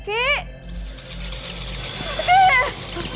aduh aduh doroh